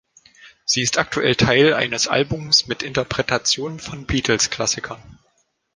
Sie ist aktuell Teil eines Albums mit Interpretationen von Beatles-Klassikern.